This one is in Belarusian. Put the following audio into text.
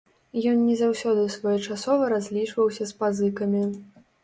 Ён не заўсёды своечасова разлічваўся з пазыкамі.